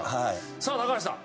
さあ高橋さん。